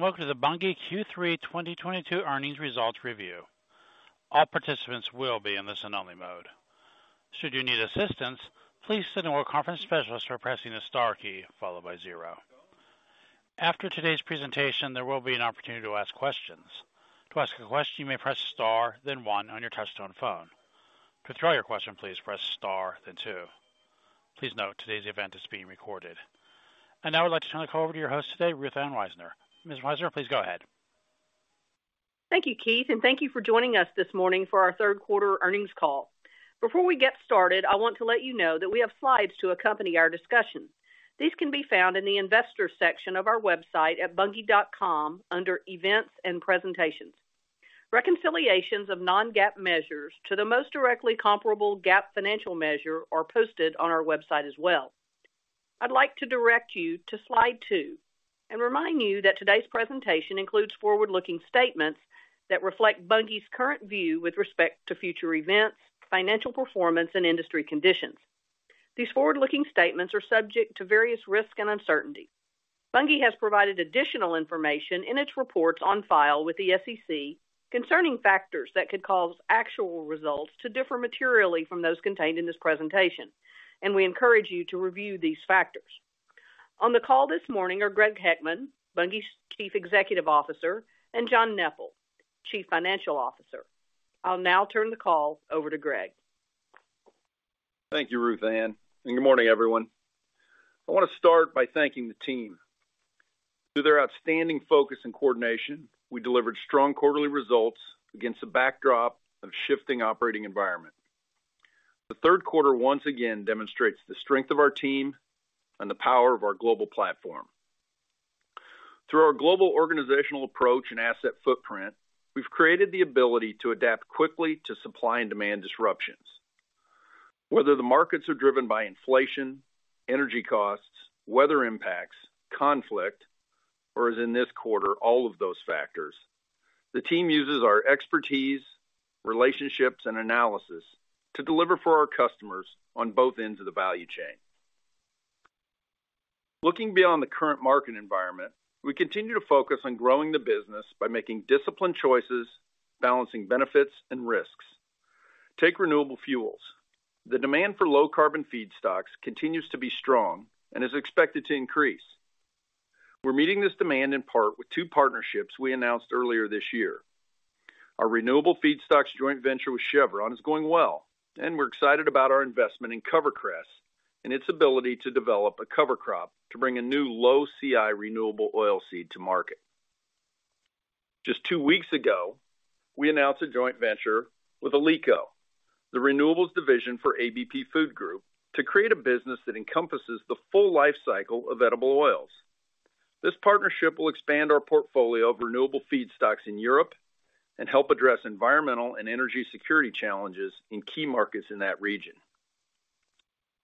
Welcome to the Bunge Q3 2022 earnings results review. All participants will be in listen-only mode. Should you need assistance, please signal a conference specialist by pressing the star key followed by zero. After today's presentation, there will be an opportunity to ask questions. To ask a question, you may press star then one on your touchtone phone. To withdraw your question, please press star then two. Please note today's event is being recorded. Now I'd like to turn the call over to your host today, Ruth Ann Wisener. Ms. Wisener, please go ahead. Thank you, Keith, and thank you for joining us this morning for our third quarter earnings call. Before we get started, I want to let you know that we have slides to accompany our discussion. These can be found in the investors section of our website at bunge.com under Events and Presentations. Reconciliations of non-GAAP measures to the most directly comparable GAAP financial measure are posted on our website as well. I'd like to direct you to slide two and remind you that today's presentation includes forward-looking statements that reflect Bunge's current view with respect to future events, financial performance, and industry conditions. These forward-looking statements are subject to various risks and uncertainties. Bunge has provided additional information in its reports on file with the SEC concerning factors that could cause actual results to differ materially from those contained in this presentation, and we encourage you to review these factors. On the call this morning are Greg Heckman, Bunge's Chief Executive Officer, and John Neppl, Chief Financial Officer. I'll now turn the call over to Greg. Thank you, Ruth Ann, and good morning, everyone. I wanna start by thanking the team. Through their outstanding focus and coordination, we delivered strong quarterly results against the backdrop of shifting operating environment. The third quarter once again demonstrates the strength of our team and the power of our global platform. Through our global organizational approach and asset footprint, we've created the ability to adapt quickly to supply and demand disruptions. Whether the markets are driven by inflation, energy costs, weather impacts, conflict, or as in this quarter, all of those factors, the team uses our expertise, relationships, and analysis to deliver for our customers on both ends of the value chain. Looking beyond the current market environment, we continue to focus on growing the business by making disciplined choices, balancing benefits and risks. Take renewable fuels. The demand for low carbon feedstocks continues to be strong and is expected to increase. We're meeting this demand in part with two partnerships we announced earlier this year. Our renewable feedstocks joint venture with Chevron is going well, and we're excited about our investment in CoverCress and its ability to develop a cover crop to bring a new low CI renewable oilseed to market. Just two weeks ago, we announced a joint venture with Olleco, the renewables division for ABP Food Group, to create a business that encompasses the full life cycle of edible oils. This partnership will expand our portfolio of renewable feedstocks in Europe and help address environmental and energy security challenges in key markets in that region.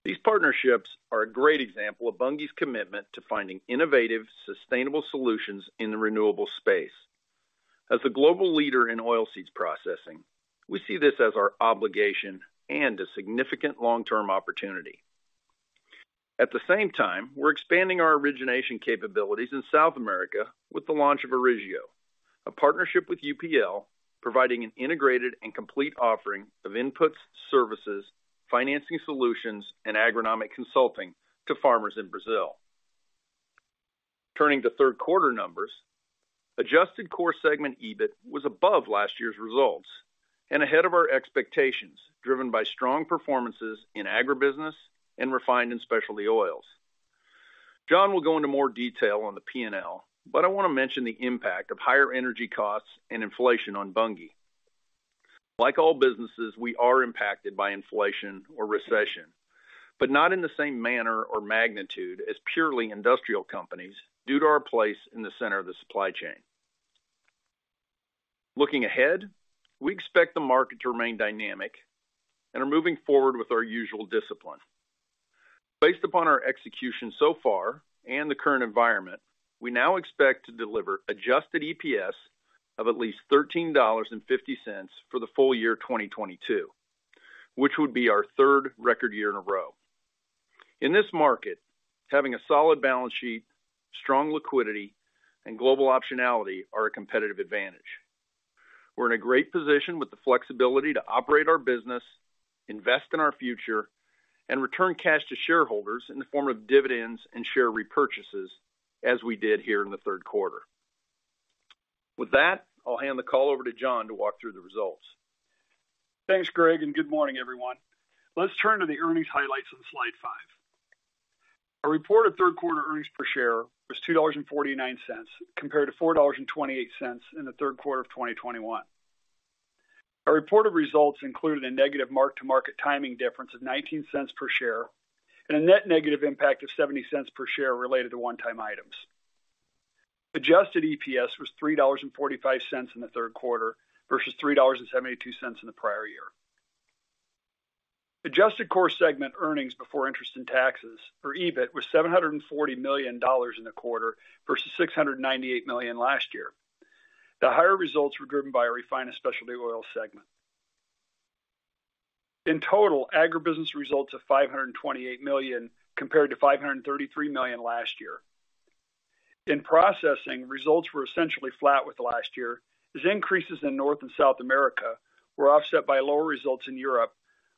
These partnerships are a great example of Bunge's commitment to finding innovative, sustainable solutions in the renewable space. As a global leader in oilseeds processing, we see this as our obligation and a significant long-term opportunity. At the same time, we're expanding our origination capabilities in South America with the launch of Orígeo, a partnership with UPL, providing an integrated and complete offering of inputs, services, financing solutions, and agronomic consulting to farmers in Brazil. Turning to third quarter numbers, adjusted core segment EBIT was above last year's results and ahead of our expectations, driven by strong performances in agribusiness and refined and specialty oils. John will go into more detail on the P&L, but I wanna mention the impact of higher energy costs and inflation on Bunge. Like all businesses, we are impacted by inflation or recession, but not in the same manner or magnitude as purely industrial companies due to our place in the center of the supply chain. Looking ahead, we expect the market to remain dynamic and are moving forward with our usual discipline. Based upon our execution so far and the current environment, we now expect to deliver adjusted EPS of at least $13.50 for the full-year 2022, which would be our third record year in a row. In this market, having a solid balance sheet, strong liquidity, and global optionality are a competitive advantage. We're in a great position with the flexibility to operate our business, invest in our future, and return cash to shareholders in the form of dividends and share repurchases as we did here in the third quarter. With that, I'll hand the call over to John to walk through the results. Thanks, Greg, and good morning, everyone. Let's turn to the earnings highlights on slide five. Our reported third quarter earnings per share was $2.49, compared to $4.28 in the third quarter of 2021. Our reported results included a negative mark-to-market timing difference of $0.19 per share and a net negative impact of $0.70 per share related to one-time items. Adjusted EPS was $3.45 in the third quarter versus $3.72 in the prior year. Adjusted core segment earnings before interest and taxes for EBIT was $740 million in the quarter versus $698 million last year. The higher results were driven by our refined and specialty oil segment. In total, agribusiness results of $528 million compared to $533 million last year. In processing, results were essentially flat with last year as increases in North and South America were offset by lower results in Europe,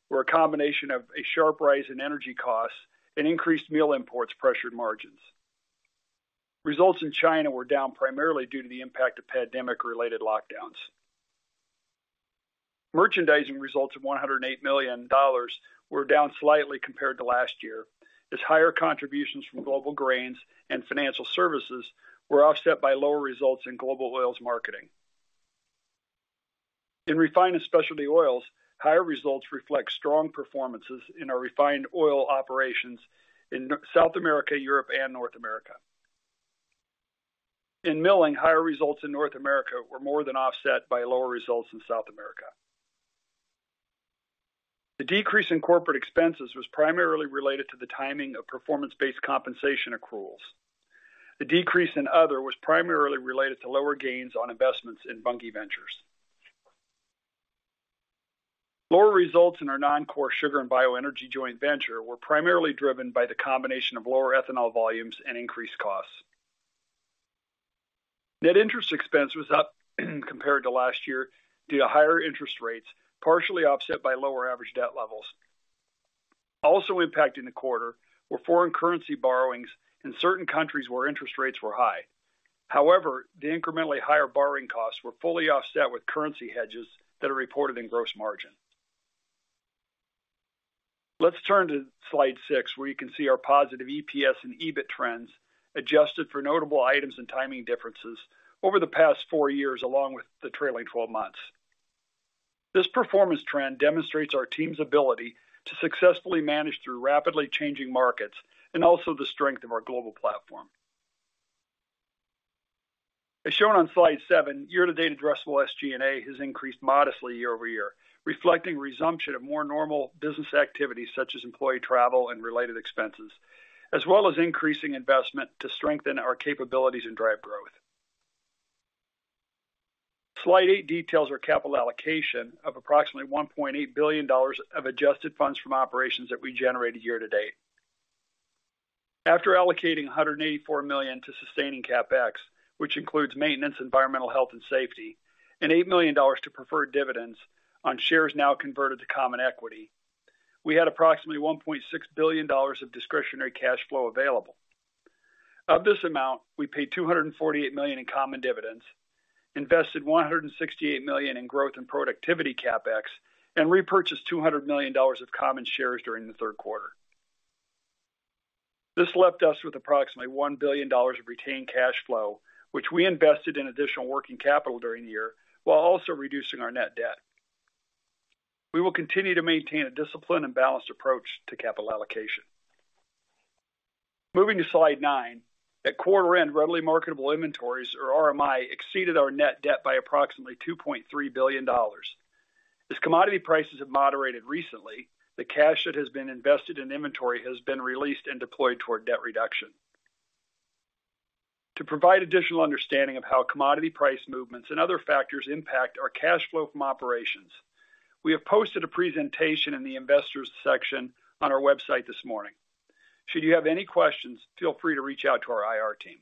where a combination of a sharp rise in energy costs and increased meal imports pressured margins. Results in China were down primarily due to the impact of pandemic-related lockdowns. Merchandising results of $108 million were down slightly compared to last year, as higher contributions from global grains and financial services were offset by lower results in global oils marketing. In refined and specialty oils, higher results reflect strong performances in our refined oil operations in North and South America, Europe and North America. In milling, higher results in North America were more than offset by lower results in South America. The decrease in corporate expenses was primarily related to the timing of performance-based compensation accruals. The decrease in other was primarily related to lower gains on investments in Bunge Ventures. Lower results in our non-core sugar and bioenergy joint venture were primarily driven by the combination of lower ethanol volumes and increased costs. Net interest expense was up compared to last year due to higher interest rates, partially offset by lower average debt levels. Also impacting the quarter were foreign currency borrowings in certain countries where interest rates were high. However, the incrementally higher borrowing costs were fully offset with currency hedges that are reported in gross margin. Let's turn to slide six, where you can see our positive EPS and EBIT trends adjusted for notable items and timing differences over the past four years, along with the trailing 12 months. This performance trend demonstrates our team's ability to successfully manage through rapidly changing markets and also the strength of our global platform. As shown on slide seven, year-to-date addressable SG&A has increased modestly year-over-year, reflecting resumption of more normal business activities such as employee travel and related expenses, as well as increasing investment to strengthen our capabilities and drive growth. Slide eight details our capital allocation of approximately $1.8 billion of adjusted funds from operations that we generated year-to-date. After allocating $184 million to sustaining CapEx, which includes maintenance, environmental, health and safety, and $8 million to preferred dividends on shares now converted to common equity, we had approximately $1.6 billion of discretionary cash flow available. Of this amount, we paid $248 million in common dividends, invested $168 million in growth and productivity CapEx, and repurchased $200 million of common shares during the third quarter. This left us with approximately $1 billion of retained cash flow, which we invested in additional working capital during the year, while also reducing our net debt. We will continue to maintain a disciplined and balanced approach to capital allocation. Moving to slide nine. At quarter end, readily marketable inventories or RMI exceeded our net debt by approximately $2.3 billion. As commodity prices have moderated recently, the cash that has been invested in inventory has been released and deployed toward debt reduction. To provide additional understanding of how commodity price movements and other factors impact our cash flow from operations, we have posted a presentation in the investors section on our website this morning. Should you have any questions, feel free to reach out to our IR team.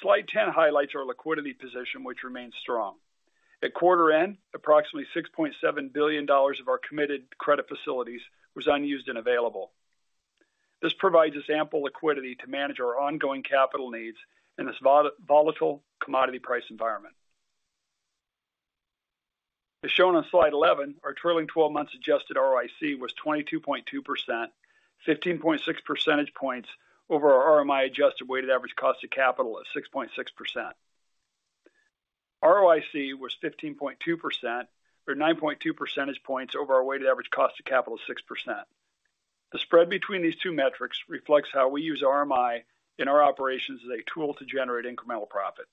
Slide 10 highlights our liquidity position, which remains strong. At quarter end, approximately $6.7 billion of our committed credit facilities was unused and available. This provides us ample liquidity to manage our ongoing capital needs in this volatile commodity price environment. As shown on Slide 11, our trailing 12 months adjusted ROIC was 22.2%, 15.6 percentage points over our RMI adjusted weighted average cost of capital of 6.6%. ROIC was 15.2% or 9.2 percentage points over our weighted average cost of capital of 6%. The spread between these two metrics reflects how we use RMI in our operations as a tool to generate incremental profit.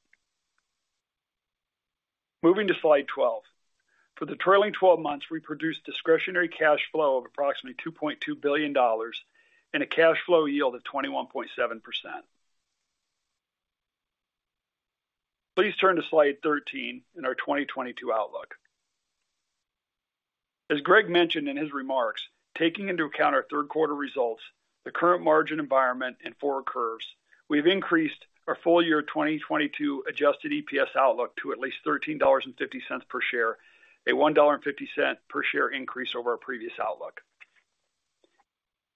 Moving to slide 12. For the trailing twelve months, we produced discretionary cash flow of approximately $2.2 billion and a cash flow yield of 21.7%. Please turn to slide 13 in our 2022 outlook. As Greg mentioned in his remarks, taking into account our third quarter results, the current margin environment and forward curves, we've increased our full-year 2022 adjusted EPS outlook to at least $13.50 per share, a $1.50 per share increase over our previous outlook.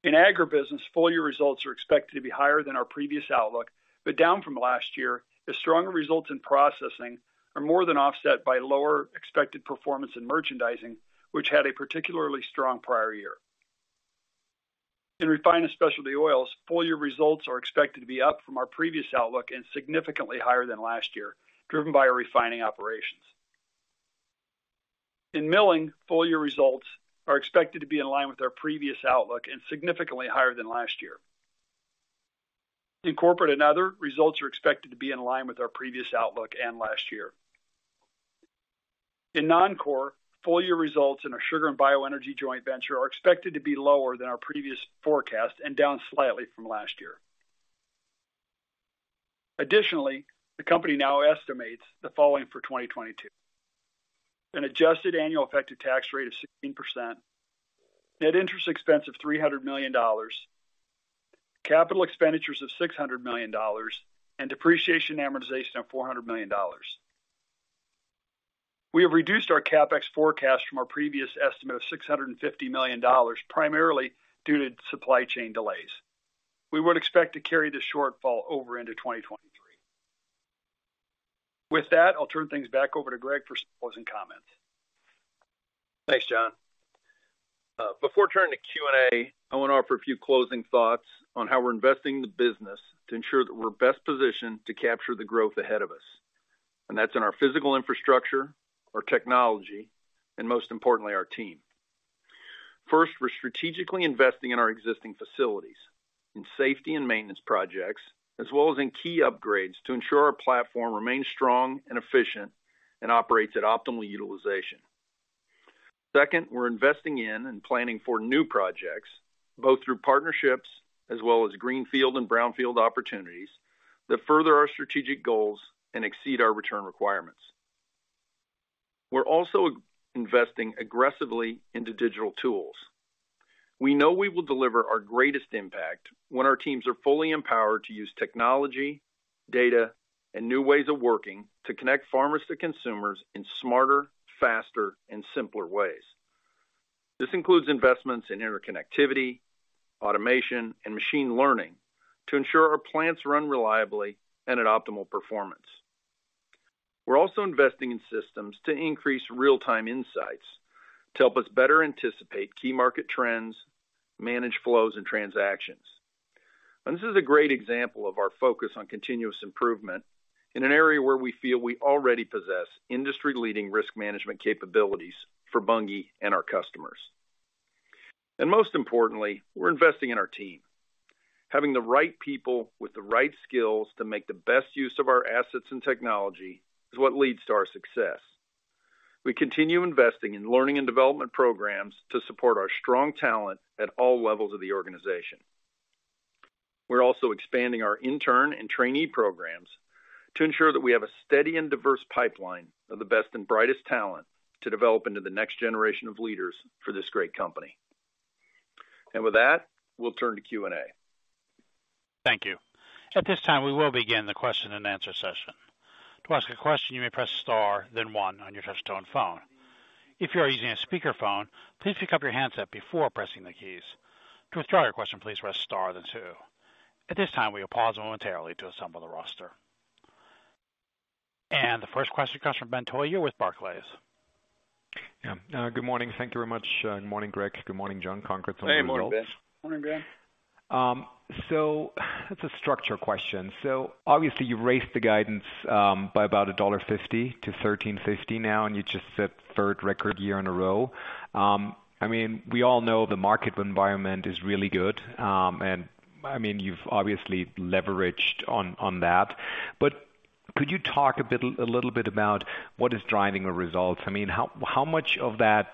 In agribusiness, full year results are expected to be higher than our previous outlook, but down from last year as stronger results in processing are more than offset by lower expected performance in merchandising, which had a particularly strong prior year. In refined and specialty oils, full year results are expected to be up from our previous outlook and significantly higher than last year, driven by our refining operations. In milling, full year results are expected to be in line with our previous outlook and significantly higher than last year. In corporate and other, results are expected to be in line with our previous outlook and last year. In non-core, full year results in our sugar and bioenergy joint venture are expected to be lower than our previous forecast and down slightly from last year. Additionally, the company now estimates the following for 2022. An adjusted annual effective tax rate of 16%, net interest expense of $300 million, capital expenditures of $600 million, and depreciation amortization of $400 million. We have reduced our CapEx forecast from our previous estimate of $650 million, primarily due to supply chain delays. We would expect to carry this shortfall over into 2023. With that, I'll turn things back over to Greg for closing comments. Thanks, John. Before turning to Q&A, I wanna offer a few closing thoughts on how we're investing the business to ensure that we're best positioned to capture the growth ahead of us. That's in our physical infrastructure, our technology, and most importantly, our team. First, we're strategically investing in our existing facilities in safety and maintenance projects, as well as in key upgrades to ensure our platform remains strong and efficient and operates at optimal utilization. Second, we're investing in and planning for new projects, both through partnerships as well as greenfield and brownfield opportunities that further our strategic goals and exceed our return requirements. We're also investing aggressively into digital tools. We know we will deliver our greatest impact when our teams are fully empowered to use technology, data, and new ways of working to connect farmers to consumers in smarter, faster, and simpler ways. This includes investments in interconnectivity, automation, and machine learning to ensure our plants run reliably and at optimal performance. We're also investing in systems to increase real-time insights to help us better anticipate key market trends, manage flows and transactions. This is a great example of our focus on continuous improvement in an area where we feel we already possess industry-leading risk management capabilities for Bunge and our customers. Most importantly, we're investing in our team. Having the right people with the right skills to make the best use of our assets and technology is what leads to our success. We continue investing in learning and development programs to support our strong talent at all levels of the organization. We're also expanding our intern and trainee programs to ensure that we have a steady and diverse pipeline of the best and brightest talent to develop into the next generation of leaders for this great company. With that, we'll turn to Q&A. Thank you. At this time, we will begin the question-and-answer session. To ask a question, you may press star then one on your touchtone phone. If you are using a speakerphone, please pick up your handset before pressing the keys. To withdraw your question, please press star then two. At this time, we will pause momentarily to assemble the roster. The first question comes from Benjamin Theurer with Barclays. Yeah. Good morning. Thank you very much. Good morning, Greg. Good morning, John. Congrats on the results. Hey. Morning, Ben. Morning, Ben. It's a structural question. Obviously, you've raised the guidance by about $1.50-$13.50 now, and you just set third record year in a row. I mean, we all know the market environment is really good, and I mean, you've obviously leveraged on that. Could you talk a little bit about what is driving the results? I mean, how much of that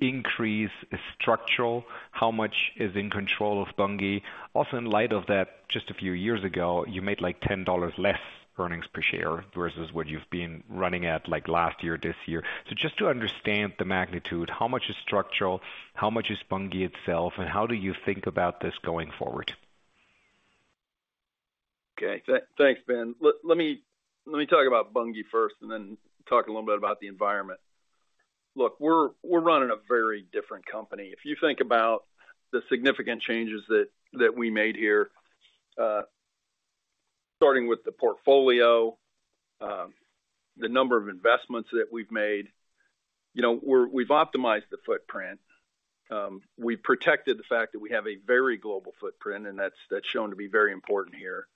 increase is structural? How much is in control of Bunge? Also, in light of that, just a few years ago, you made, like, $10 less earnings per share versus what you've been running at, like, last year, this year. Just to understand the magnitude, how much is structural, how much is Bunge itself, and how do you think about this going forward? Okay. Thanks, Ben. Let me talk about Bunge first and then talk a little bit about the environment. Look, we're running a very different company. If you think about the significant changes that we made here, starting with the portfolio, the number of investments that we've made. You know, we've optimized the footprint. We protected the fact that we have a very global footprint, and that's shown to be very important here.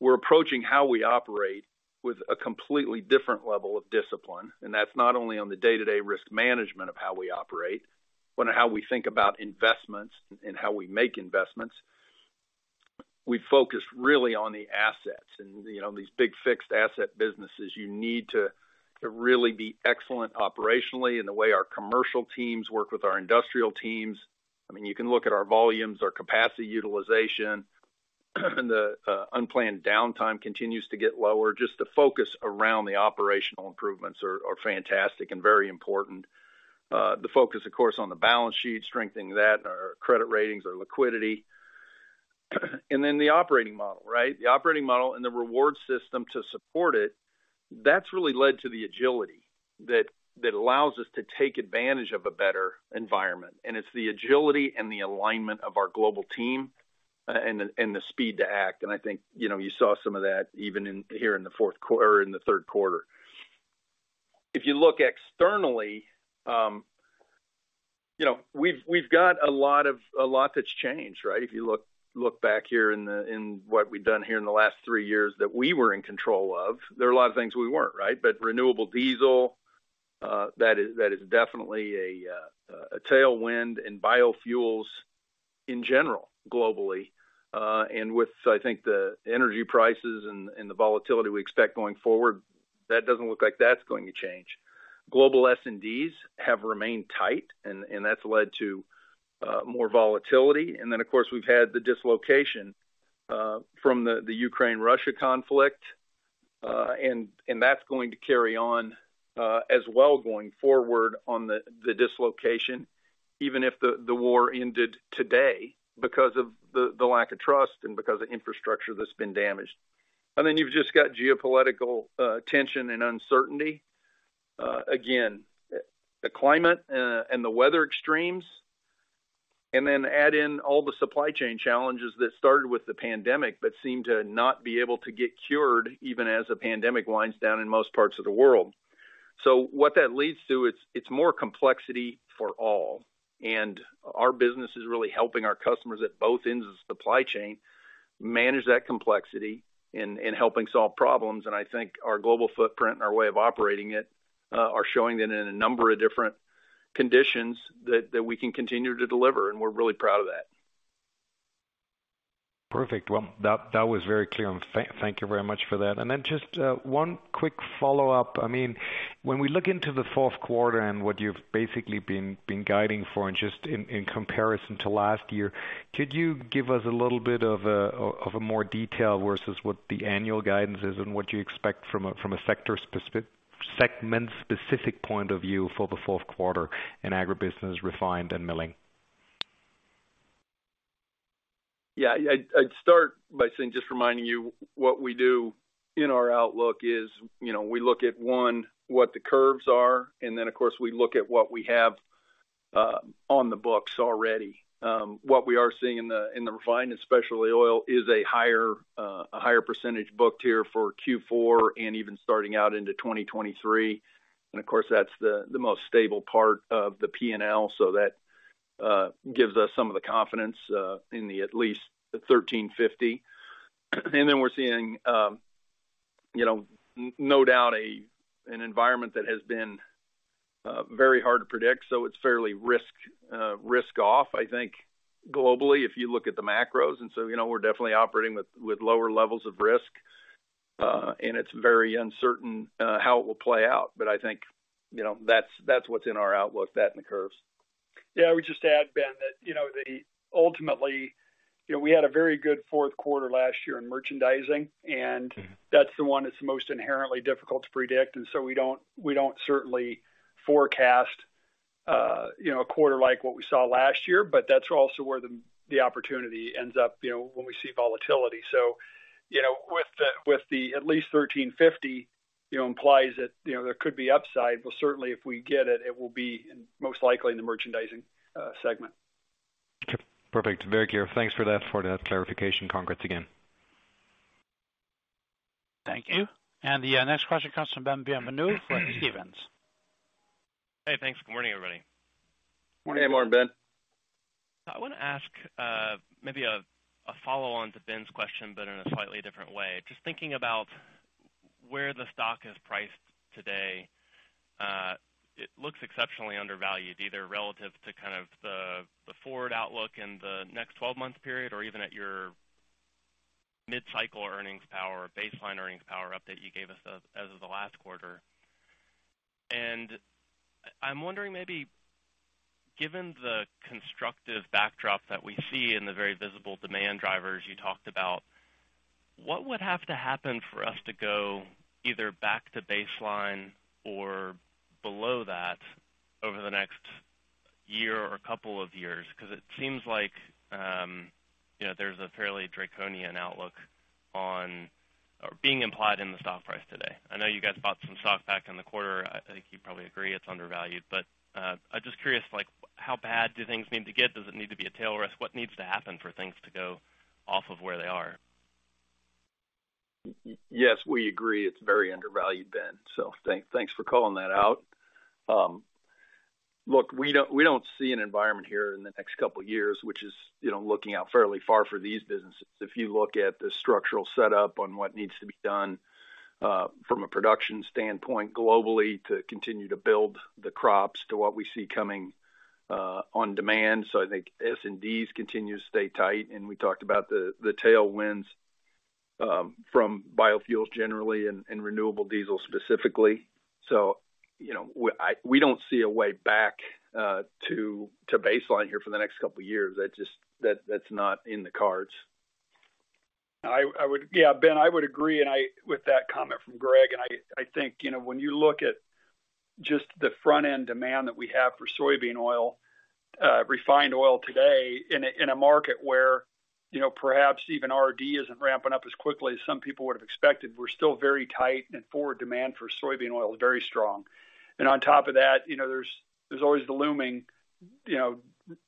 We're approaching how we operate with a completely different level of discipline, and that's not only on the day-to-day risk management of how we operate, but how we think about investments and how we make investments. We focus really on the assets. You know, these big fixed asset businesses, you need to really be excellent operationally in the way our commercial teams work with our industrial teams. I mean, you can look at our volumes, our capacity utilization, the unplanned downtime continues to get lower. Just the focus around the operational improvements are fantastic and very important. The focus, of course, on the balance sheet, strengthening that, our credit ratings, our liquidity. Then the operating model, right? The operating model and the reward system to support it, that's really led to the agility that allows us to take advantage of a better environment. It's the agility and the alignment of our global team and the speed to act. I think, you know, you saw some of that even in the third quarter. If you look externally, you know, we've got a lot that's changed, right? If you look back here in what we've done here in the last three years that we were in control of, there are a lot of things we weren't, right? Renewable diesel, that is definitely a tailwind in biofuels in general, globally. With, I think, the energy prices and the volatility we expect going forward, that doesn't look like that's going to change. Global S&Ds have remained tight and that's led to more volatility. Of course, we've had the dislocation from the Ukraine-Russia conflict. That's going to carry on as well going forward on the dislocation, even if the war ended today because of the lack of trust and because of infrastructure that's been damaged. You've just got geopolitical tension and uncertainty. Again, the climate and the weather extremes, and then add in all the supply chain challenges that started with the pandemic, but seem to not be able to get cured even as the pandemic winds down in most parts of the world. What that leads to is it's more complexity for all. Our business is really helping our customers at both ends of the supply chain manage that complexity and helping solve problems. I think our global footprint and our way of operating it are showing that in a number of different conditions that we can continue to deliver, and we're really proud of that. Perfect. Well, that was very clear, and thank you very much for that. Then just one quick follow-up. I mean, when we look into the fourth quarter and what you've basically been guiding for and just in comparison to last year, could you give us a little bit of a more detail versus what the annual guidance is and what you expect from a segment-specific point of view for the fourth quarter in agribusiness, refined, and milling? I'd start by saying, just reminding you what we do in our outlook is, you know, we look at, one, what the curves are, and then, of course, we look at what we have on the books already. What we are seeing in the refined and specialty oil is a higher percentage booked here for Q4 and even starting out into 2023. Of course, that's the most stable part of the P&L, so that gives us some of the confidence in at least the $13.50. Then we're seeing, you know, no doubt an environment that has been very hard to predict, so it's fairly risk off, I think, globally, if you look at the macros. You know, we're definitely operating with lower levels of risk, and it's very uncertain how it will play out. But I think, you know, that's what's in our outlook, that and the curves. Yeah. I would just add, Ben, that, you know, ultimately, you know, we had a very good fourth quarter last year in merchandising, and that's the one that's most inherently difficult to predict. We don't certainly forecast, you know, a quarter like what we saw last year, but that's also where the opportunity ends up, you know, when we see volatility. With the at least $13.50, you know, implies that, you know, there could be upside. Certainly if we get it will be most likely in the merchandising segment. Okay. Perfect. Very clear. Thanks for that clarification. Congrats again. Thank you. The next question comes from Ben Bienvenu for Stephens. Hey, thanks. Good morning, everybody. Good morning. Hey, morning, Ben. I wanna ask maybe a follow-on to Ben's question, but in a slightly different way. Just thinking about where the stock is priced today, it looks exceptionally undervalued, either relative to kind of the forward outlook in the next 12-month period or even at your mid-cycle earnings power, baseline earnings power update you gave us as of the last quarter. I'm wondering maybe, given the constructive backdrop that we see and the very visible demand drivers you talked about, what would have to happen for us to go either back to baseline or below that over the next year or couple of years? 'Cause it seems like, you know, there's a fairly draconian outlook on or being implied in the stock price today. I know you guys bought some stock back in the quarter. I think you probably agree it's undervalued. I'm just curious, like how bad do things need to get? Does it need to be a tail risk? What needs to happen for things to go off of where they are? Yes, we agree it's very undervalued, Ben. Thanks for calling that out. Look, we don't see an environment here in the next couple years, which is, you know, looking out fairly far for these businesses. If you look at the structural setup on what needs to be done from a production standpoint globally to continue to build the crops to what we see coming on demand. I think S&Ds continue to stay tight, and we talked about the tailwinds from biofuels generally and renewable diesel specifically. You know, we don't see a way back to baseline here for the next couple years. That's not in the cards. Yeah, Ben, I would agree with that comment from Greg. I think, you know, when you look at just the front-end demand that we have for soybean oil, refined oil today in a market where, you know, perhaps even RD isn't ramping up as quickly as some people would've expected, we're still very tight, and forward demand for soybean oil is very strong. On top of that, you know, there's always the looming, you know,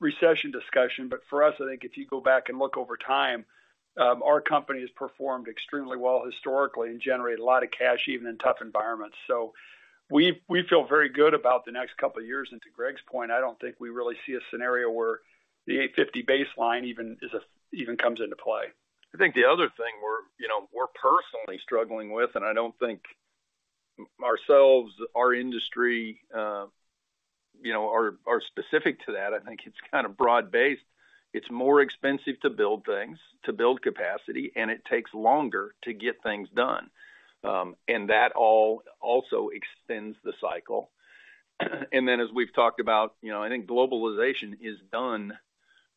recession discussion. For us, I think if you go back and look over time, our company has performed extremely well historically and generated a lot of cash even in tough environments. We feel very good about the next couple years. To Greg's point, I don't think we really see a scenario where the 850 baseline even comes into play. I think the other thing we're, you know, personally struggling with, and I don't think ourselves, our industry. You know, are specific to that. I think it's kind of broad-based. It's more expensive to build things, to build capacity, and it takes longer to get things done. That all also extends the cycle. Then as we've talked about, you know, I think globalization is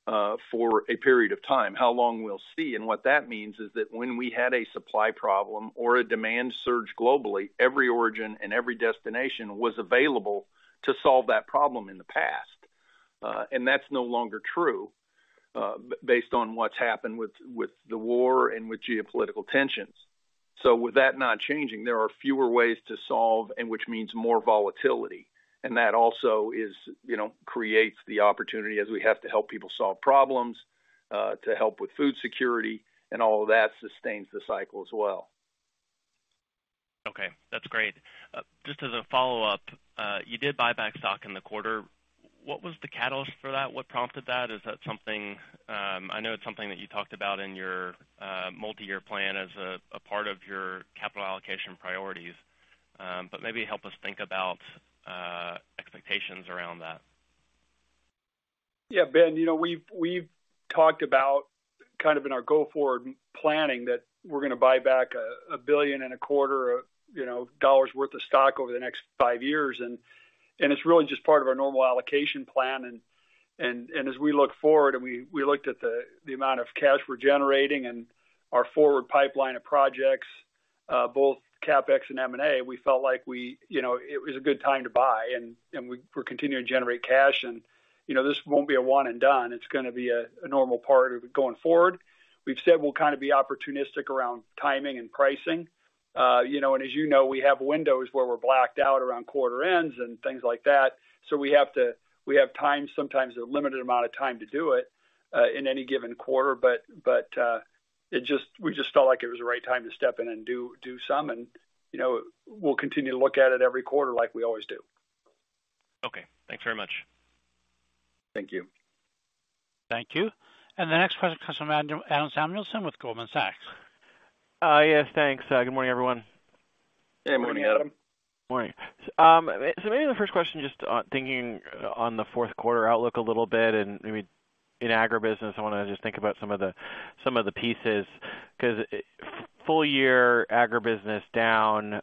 done for a period of time. How long, we'll see. What that means is that when we had a supply problem or a demand surge globally, every origin and every destination was available to solve that problem in the past. That's no longer true based on what's happened with the war and with geopolitical tensions. With that not changing, there are fewer ways to solve and which means more volatility. That also is, you know, creates the opportunity as we have to help people solve problems, to help with food security, and all of that sustains the cycle as well. Okay, that's great. Just as a follow-up, you did buy back stock in the quarter. What was the catalyst for that? What prompted that? Is that something, I know it's something that you talked about in your, multi-year plan as a part of your capital allocation priorities. Maybe help us think about, expectations around that. Yeah, Ben, you know, we've talked about kind of in our go forward planning that we're gonna buy back $1.25 billion worth of stock over the next five years. It's really just part of our normal allocation plan. As we look forward, we looked at the amount of cash we're generating and our forward pipeline of projects, both CapEx and M&A, we felt like we, you know, it was a good time to buy, and we're continuing to generate cash. You know, this won't be a one and done. It's gonna be a normal part of going forward. We've said we'll kind of be opportunistic around timing and pricing. You know, as you know, we have windows where we're blacked out around quarter ends and things like that. We have time, sometimes a limited amount of time to do it in any given quarter. We just felt like it was the right time to step in and do some. You know, we'll continue to look at it every quarter like we always do. Okay, thanks very much. Thank you. Thank you. The next question comes from Adam Samuelson with Goldman Sachs. Yes, thanks. Good morning, everyone. Good morning, Adam. Morning. Maybe the first question, just thinking on the fourth quarter outlook a little bit, and maybe in agribusiness, I wanna just think about some of the pieces, 'cause full year agribusiness down,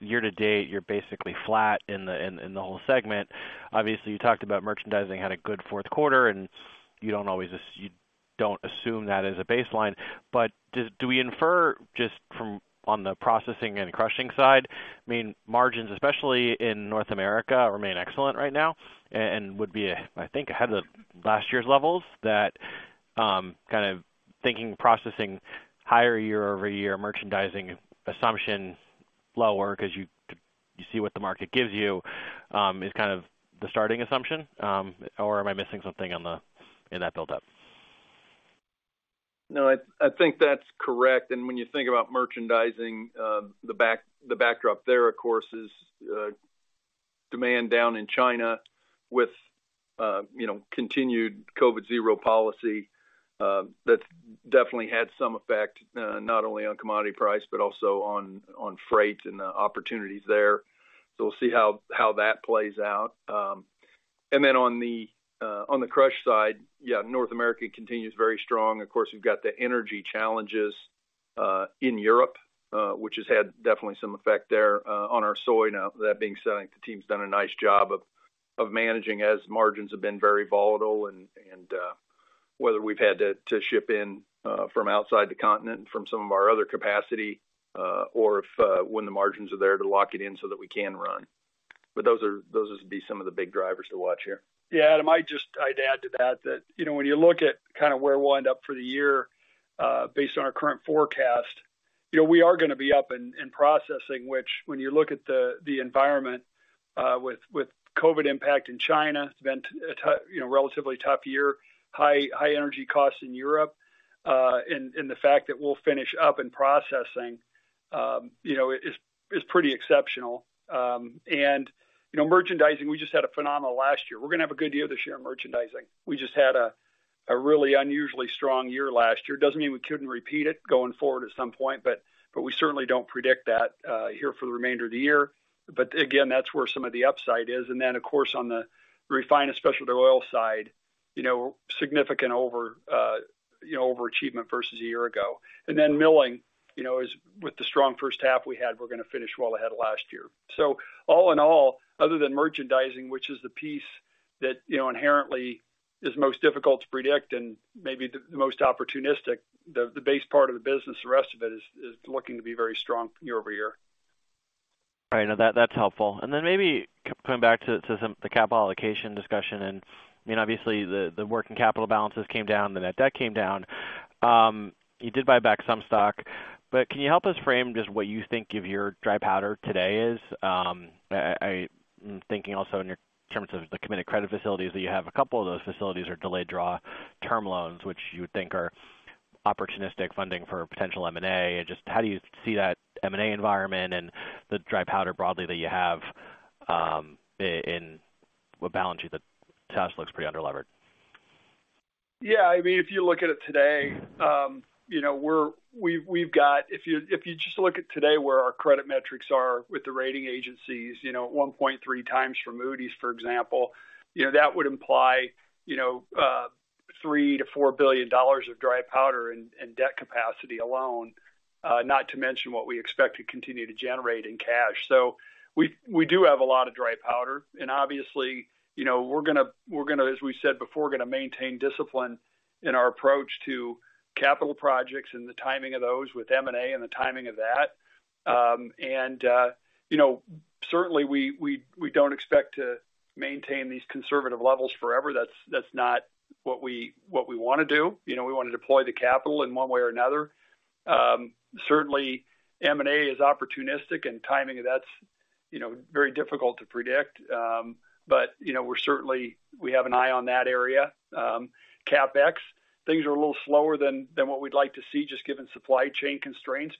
year to date, you're basically flat in the whole segment. Obviously, you talked about merchandising had a good fourth quarter, and you don't always assume that as a baseline. Do we infer just from on the processing and crushing side? I mean, margins, especially in North America, remain excellent right now and would be, I think, ahead of last year's levels. That kind of thinking, processing higher year-over-year, merchandising assumption lower because you see what the market gives you, is kind of the starting assumption. Am I missing something in that buildup? No, I think that's correct. When you think about merchandising, the backdrop there, of course, is demand down in China with, you know, continued COVID zero policy. That's definitely had some effect, not only on commodity price, but also on freight and the opportunities there. We'll see how that plays out. On the crush side, yeah, North America continues very strong. Of course, we've got the energy challenges in Europe, which has had definitely some effect there on our soy. Now, that being said, I think the team's done a nice job of managing as margins have been very volatile and whether we've had to ship in from outside the continent from some of our other capacity or if when the margins are there to lock it in so that we can run. Those would be some of the big drivers to watch here. Yeah, Adam, I'd add to that you know, when you look at kind of where we'll wind up for the year based on our current forecast, you know, we are gonna be up in processing, which when you look at the environment with COVID impact in China, it's been a tough year. High energy costs in Europe, and the fact that we'll finish up in processing, you know, is pretty exceptional. Merchandising, we just had a phenomenal last year. We're gonna have a good year this year in merchandising. We just had a really unusually strong year last year. Doesn't mean we couldn't repeat it going forward at some point, but we certainly don't predict that here for the remainder of the year. Again, that's where some of the upside is. Then of course, on the refined and specialty oil side, you know, significant overachievement versus a year ago. Milling, you know, with the strong first half we had, we're gonna finish well ahead of last year. All in all, other than merchandising, which is the piece that, you know, inherently is most difficult to predict and maybe the most opportunistic, the base part of the business, the rest of it is looking to be very strong year-over-year. All right. No, that's helpful. Then maybe coming back to some of the capital allocation discussion and, you know, obviously the working capital balances came down, the net debt came down. You did buy back some stock, but can you help us frame just what you think of your dry powder today is? I'm thinking also in terms of the committed credit facilities that you have, a couple of those facilities are delayed draw term loans, which you would think are opportunistic funding for potential M&A. Just how do you see that M&A environment and the dry powder broadly that you have, in a balance sheet that to us looks pretty underlevered? Yeah. I mean, if you look at it today, you know, we've got. If you just look at today where our credit metrics are with the rating agencies, you know, 1.3x for Moody's, for example, you know, that would imply, you know, $3 billion-$4 billion of dry powder and debt capacity alone, not to mention what we expect to continue to generate in cash. We do have a lot of dry powder, and obviously, you know, we're gonna, as we said before, maintain discipline in our approach to capital projects and the timing of those with M&A and the timing of that. You know, certainly, we don't expect to maintain these conservative levels forever. That's not what we wanna do. You know, we wanna deploy the capital in one way or another. Certainly M&A is opportunistic, and timing of that's, you know, very difficult to predict. You know, we have an eye on that area. CapEx, things are a little slower than what we'd like to see, just given supply chain constraints.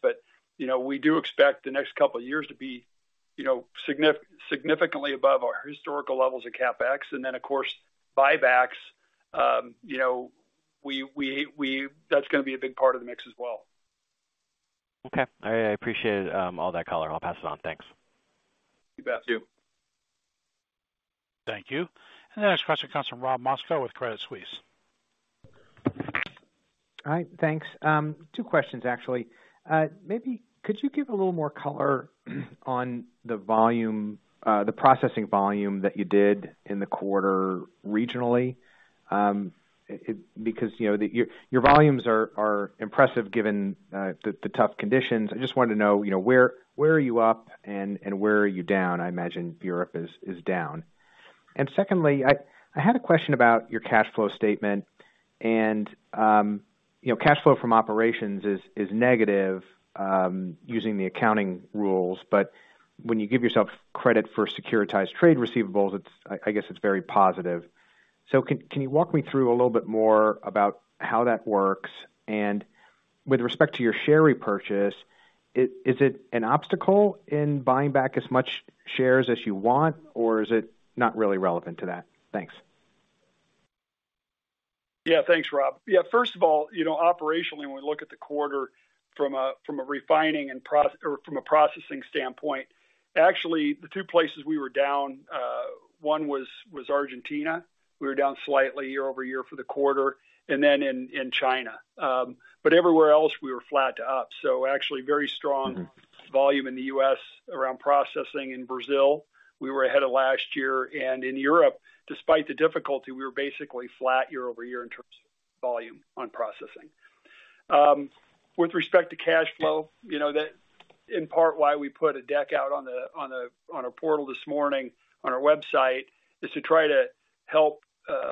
You know, we do expect the next couple of years to be, you know, significantly above our historical levels of CapEx. Of course, buybacks, you know, that's gonna be a big part of the mix as well. Okay. I appreciate all that color. I'll pass it on. Thanks. You bet. Thank you. The next question comes from Robert Moskow with Credit Suisse. All right. Thanks. Two questions, actually. Maybe could you give a little more color on the processing volume that you did in the quarter regionally? Because, you know, your volumes are impressive given the tough conditions. I just wanted to know, you know, where are you up and where are you down? I imagine Europe is down. Secondly, I had a question about your cash flow statement and, you know, cash flow from operations is negative using the accounting rules. But when you give yourself credit for securitized trade receivables, it's, I guess it's very positive. Can you walk me through a little bit more about how that works? With respect to your share repurchase, is it an obstacle in buying back as much shares as you want, or is it not really relevant to that? Thanks. Yeah. Thanks, Rob. Yeah, first of all, you know, operationally, when we look at the quarter from a processing standpoint, actually the two places we were down, one was Argentina. We were down slightly year-over-year for the quarter. Then in China. Everywhere else we were flat to up. Actually very strong. Volume in the U.S. around processing. In Brazil, we were ahead of last year. In Europe, despite the difficulty, we were basically flat year-over-year in terms of volume on processing. With respect to cash flow, you know, that in part why we put a deck out on a portal this morning on our website is to try to help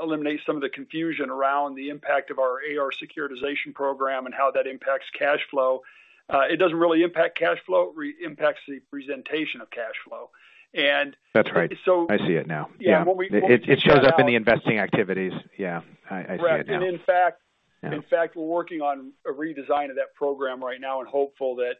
eliminate some of the confusion around the impact of our AR securitization program and how that impacts cash flow. It doesn't really impact cash flow. It impacts the presentation of cash flow. That's right. So- I see it now. Yeah. It shows up in the investing activities. Yeah. I see it now. Right. In fact. Yeah. In fact, we're working on a redesign of that program right now and hopeful that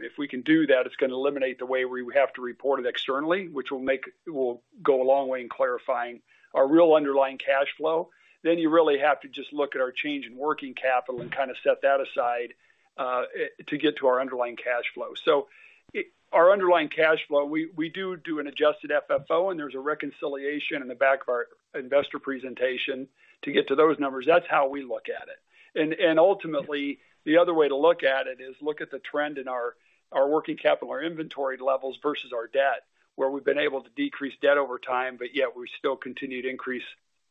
if we can do that, it's gonna eliminate the way we have to report it externally, which will go a long way in clarifying our real underlying cash flow. Then you really have to just look at our change in working capital and kinda set that aside to get to our underlying cash flow. Our underlying cash flow, we do an adjusted FFO, and there's a reconciliation in the back of our investor presentation to get to those numbers. That's how we look at it. Ultimately, the other way to look at it is look at the trend in our working capital, our inventory levels versus our debt, where we've been able to decrease debt over time, but yet we still continue to increase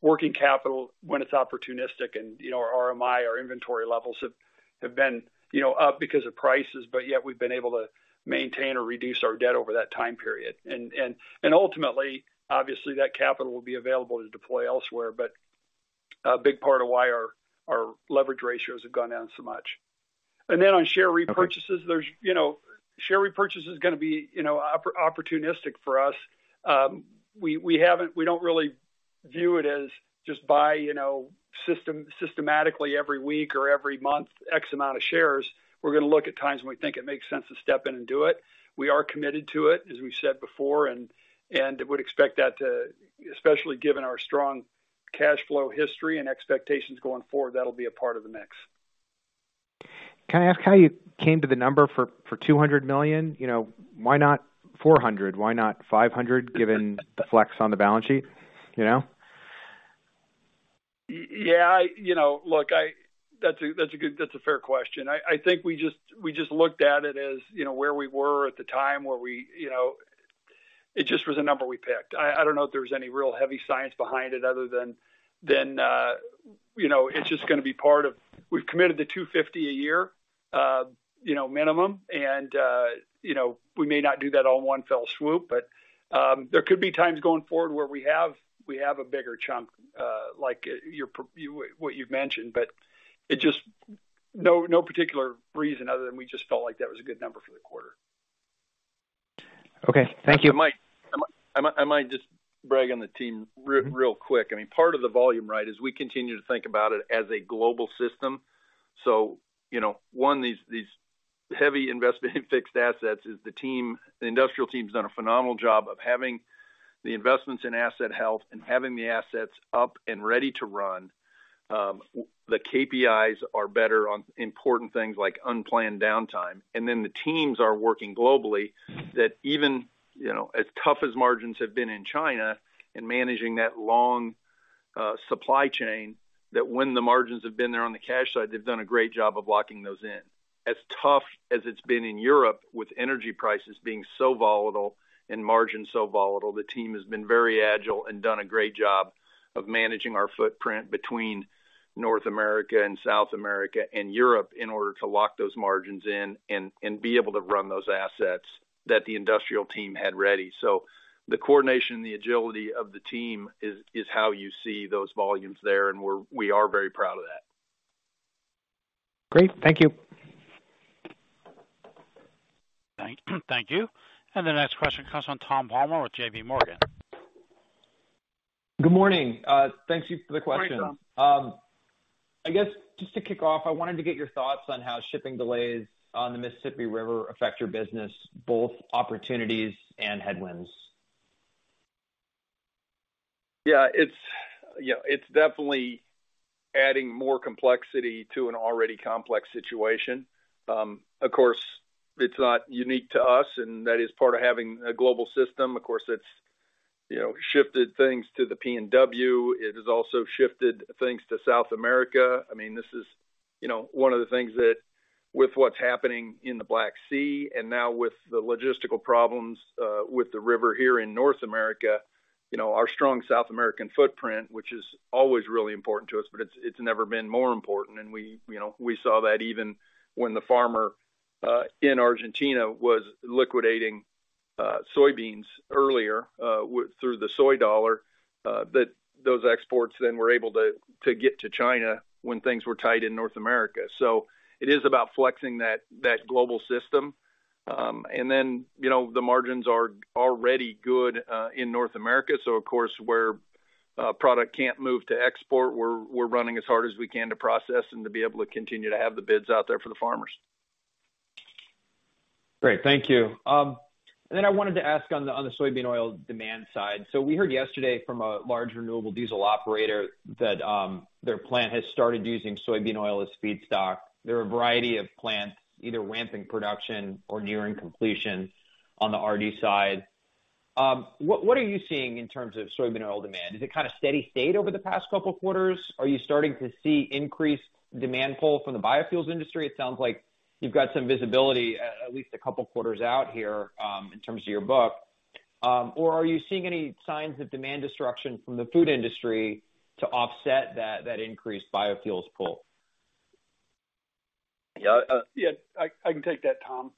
working capital when it's opportunistic. You know, our RMI, our inventory levels have been, you know, up because of prices, but yet we've been able to maintain or reduce our debt over that time period. Ultimately, obviously, that capital will be available to deploy elsewhere. A big part of why our leverage ratios have gone down so much. Then on share repurchases. Okay. There's, you know, share repurchase is gonna be, you know, opportunistic for us. We don't really view it as just buy, you know, systematically every week or every month, X amount of shares. We're gonna look at times when we think it makes sense to step in and do it. We are committed to it, as we said before. We would expect that. Especially given our strong cash flow history and expectations going forward, that'll be a part of the mix. Can I ask how you came to the number for $200 million? You know, why not $400 million? Why not $500 million, given the flex on the balance sheet, you know? Yeah. You know, look, that's a fair question. I think we just looked at it as, you know, where we were at the time, where we, you know. It just was a number we picked. I don't know if there was any real heavy science behind it other than you know, it's just gonna be part of. We've committed to $250 a year, you know, minimum. You know, we may not do that all in one fell swoop. There could be times going forward where we have a bigger chunk, like what you've mentioned. No particular reason other than we just felt like that was a good number for the quarter. Okay. Thank you. I might just brag on the team real quick. I mean, part of the volume, right, is we continue to think about it as a global system. You know, one, these heavy investment in fixed assets is the team. The industrial team has done a phenomenal job of having the investments in asset health and having the assets up and ready to run. The KPIs are better on important things like unplanned downtime. Then the teams are working globally that even, you know, as tough as margins have been in China in managing that long supply chain, that when the margins have been there on the cash side, they've done a great job of locking those in. As tough as it's been in Europe, with energy prices being so volatile and margins so volatile, the team has been very agile and done a great job of managing our footprint between North America and South America and Europe in order to lock those margins in and be able to run those assets that the industrial team had ready. The coordination and the agility of the team is how you see those volumes there, and we are very proud of that. Great. Thank you. Thank you. The next question comes from Thomas Palmer with JPMorgan. Good morning. Thank you for the question. Morning, Tom. I guess just to kick off, I wanted to get your thoughts on how shipping delays on the Mississippi River affect your business, both opportunities and headwinds. Yeah, it's, you know, it's definitely adding more complexity to an already complex situation. Of course, it's not unique to us, and that is part of having a global system. Of course, it's, you know, shifted things to the PNW. It has also shifted things to South America. I mean, this is, you know, one of the things that with what's happening in the Black Sea and now with the logistical problems with the river here in North America, you know, our strong South American footprint, which is always really important to us, but it's never been more important. We, you know, we saw that even when the farmer in Argentina was liquidating soybeans earlier through the soy dollar, that those exports then were able to get to China when things were tight in North America. It is about flexing that global system. You know, the margins are already good in North America. Of course, where product can't move to export, we're running as hard as we can to process and to be able to continue to have the bids out there for the farmers. Great. Thank you. Then I wanted to ask on the soybean oil demand side. We heard yesterday from a large renewable diesel operator that their plant has started using soybean oil as feedstock. There are a variety of plants either ramping production or nearing completion on the RD side. What are you seeing in terms of soybean oil demand? Is it kind of steady state over the past couple quarters? Are you starting to see increased demand pull from the biofuels industry? It sounds like you've got some visibility at least a couple quarters out here in terms of your book. Or are you seeing any signs of demand destruction from the food industry to offset that increased biofuels pull? Yeah, Yeah, I can take that, Tom.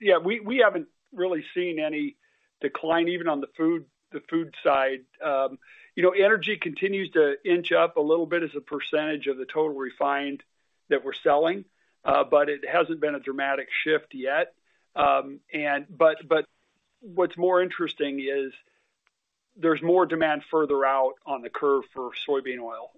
Yeah, we haven't really seen any decline even on the food side. You know, energy continues to inch up a little bit as a percentage of the total refined that we're selling, but it hasn't been a dramatic shift yet. What's more interesting is there's more demand further out on the curve for soybean oil.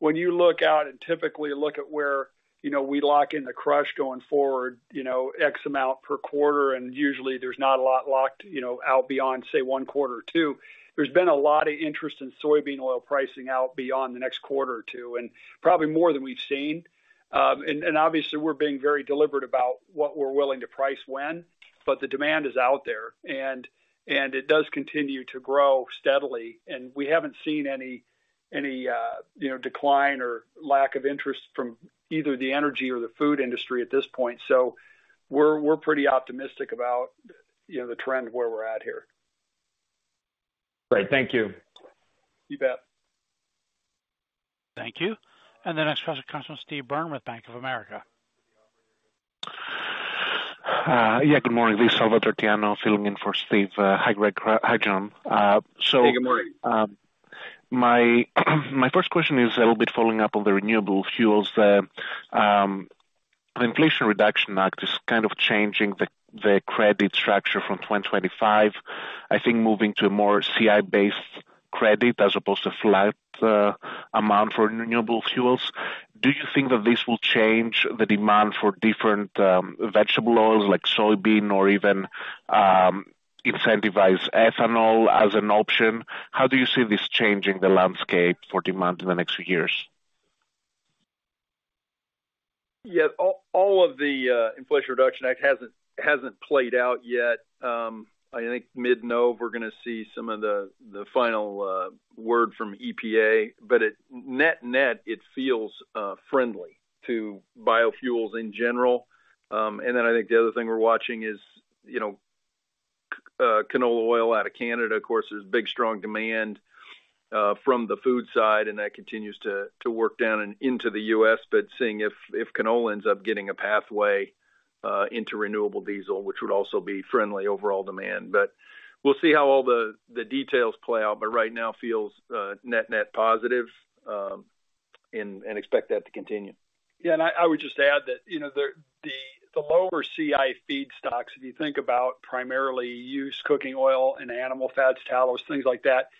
When you look out and typically look at where, you know, we lock in the crush going forward, you know, X amount per quarter, and usually there's not a lot locked, you know, out beyond, say, one quarter or two. There's been a lot of interest in soybean oil pricing out beyond the next quarter or two, and probably more than we've seen. Obviously we're being very deliberate about what we're willing to price when, but the demand is out there and it does continue to grow steadily. We haven't seen any, you know, decline or lack of interest from either the energy or the food industry at this point. We're pretty optimistic about, you know, the trend of where we're at here. Great. Thank you. You bet. Thank you. The next question comes from Steve Byrne with Bank of America. Good morning. This is Salvatore Tiano filling in for Steve. Hi, Greg. Hi, John. Hey, good morning. My first question is a little bit following up on the renewable fuels. The Inflation Reduction Act is kind of changing the credit structure from 2025. I think moving to a more CI-based credit as opposed to flat amount for renewable fuels. Do you think that this will change the demand for different vegetable oils like soybean or even incentivize ethanol as an option? How do you see this changing the landscape for demand in the next few years? Yeah. All of the Inflation Reduction Act hasn't played out yet. I think mid-November, we're gonna see some of the final word from EPA. It net-net feels friendly to biofuels in general. Then I think the other thing we're watching is, you know, canola oil out of Canada. Of course, there's big strong demand from the food side, and that continues to work down and into the U.S. Seeing if canola ends up getting a pathway into renewable diesel, which would also be friendly overall demand. We'll see how all the details play out, but right now feels net-net positive, and expect that to continue. Yeah. I would just add that, you know, the lower CI feedstocks, if you think about primarily used cooking oil and animal fats, tallow, things like that.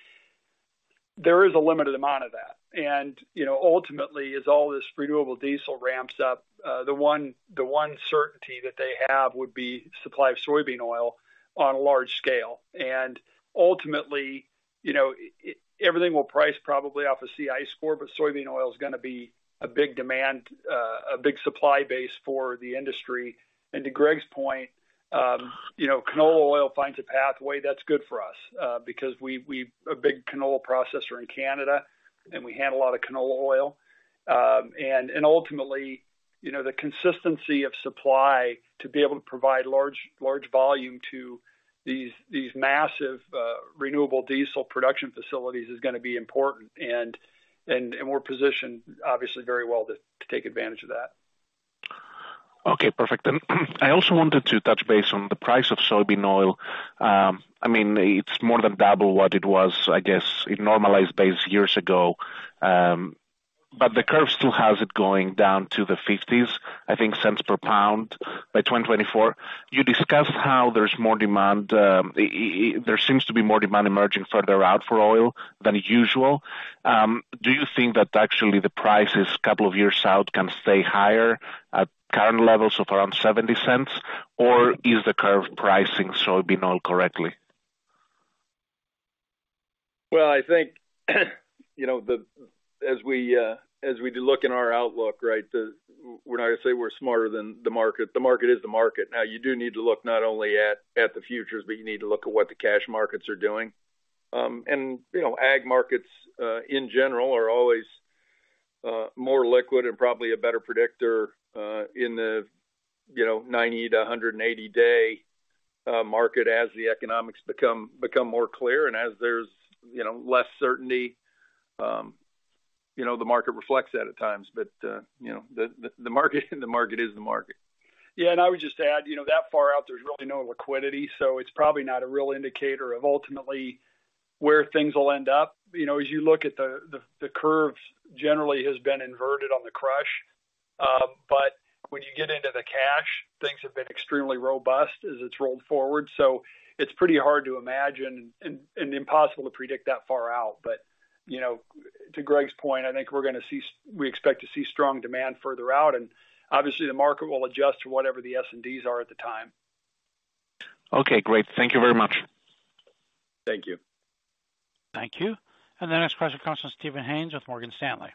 There is a limited amount of that. You know, ultimately, as all this renewable diesel ramps up, the one certainty that they have would be supply of soybean oil on a large scale. Ultimately, you know, everything will price probably off a CI score, but soybean oil is gonna be a big demand, a big supply base for the industry. To Greg's point, you know, canola oil finds a pathway that's good for us, because we're a big Canola processor in Canada, and we handle a lot of Canola oil. Ultimately, you know, the consistency of supply to be able to provide large volume to these massive renewable diesel production facilities is gonna be important. We're positioned obviously very well to take advantage of that. Okay, perfect. I also wanted to touch base on the price of soybean oil. I mean, it's more than double what it was, I guess, in normalized days years ago. The curve still has it going down to the 50s cents per pound by 2024. You discussed how there's more demand, there seems to be more demand emerging further out for oil than usual. Do you think that actually the prices a couple of years out can stay higher at current levels of around 70 cents? Or is the curve pricing soybean oil correctly? Well, I think, you know, as we look in our outlook, right, we're not going to say we're smarter than the market. The market is the market. Now, you do need to look not only at the futures, but you need to look at what the cash markets are doing. You know, ag markets in general are always more liquid and probably a better predictor in the 90-180-day market as the economics become more clear and as there's, you know, less certainty, you know, the market reflects that at times. You know, the market is the market. Yeah, I would just add, you know, that far out, there's really no liquidity, so it's probably not a real indicator of ultimately where things will end up. You know, as you look at the curves generally has been inverted on the crush. But when you get into the cash, things have been extremely robust as it's rolled forward. It's pretty hard to imagine and impossible to predict that far out. You know, to Greg's point, I think we expect to see strong demand further out, and obviously the market will adjust to whatever the S&Ds are at the time. Okay, great. Thank you very much. Thank you. Thank you. The next question comes from Steven Haynes with Morgan Stanley.